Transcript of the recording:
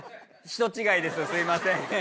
人違いですすいません。